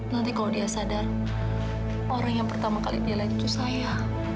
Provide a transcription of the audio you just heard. nanti kalau dia sadar orang yang pertama kali nilai itu saya